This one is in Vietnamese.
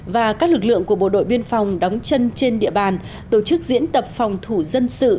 và các lực lượng của bộ đội biên phòng đóng chân trên địa bàn tổ chức diễn tập phòng thủ dân sự